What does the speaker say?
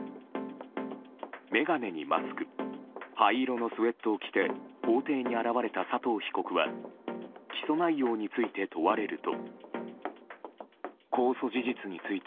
眼鏡にマスク灰色のスウェットを着て法廷に現れた佐藤被告は起訴内容について問われると。